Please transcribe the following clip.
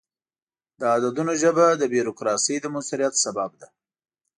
د عددونو ژبه د بروکراسي د موثریت سبب ده.